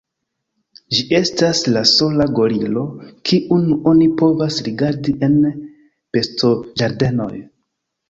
Ĝi estas la sola gorilo, kiun oni povas rigardi en bestoĝardenoj.